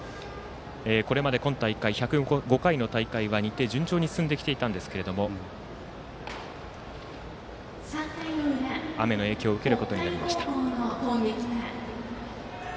これまで今大会１０５回の大会は日程、順調に進んできていたんですけれども雨の影響を受けることになりました。